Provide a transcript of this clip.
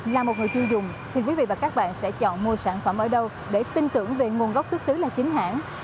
là một người tiêu dùng thì quý vị và các bạn sẽ chọn mua sản phẩm ở đâu để tin tưởng về nguồn gốc xuất xứ là chính hãng